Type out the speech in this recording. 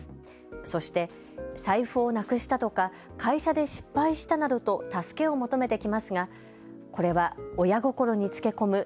そして財布をなくしたとか会社で失敗したなどと助けを求めてきますが、これは親心につけ込む